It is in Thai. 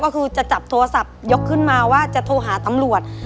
ก็คือจะจับโทรศัพท์ยกขึ้นมาว่าจะโทรหาตำรวจ